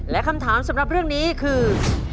และคำถามสำหรับเรื่องนี้คือ